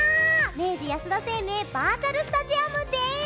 明治安田生命バーチャルスタジアムです！